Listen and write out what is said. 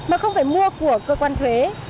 mà không phải mua của cơ quan thuế